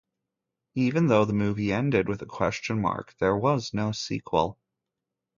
Even though the movie ended with a question mark, there was no sequel.